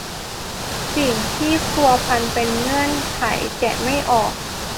มีสิ่งที่พัวพันเป็นเงื่อนไขแกะไม่ออก